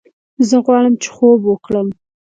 زه غواړم چې خوب وکړم